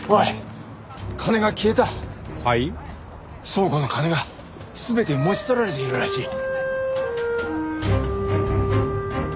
倉庫の金が全て持ち去られているらしい。